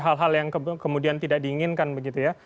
hal hal yang kemudian tidak diinginkan begitu ya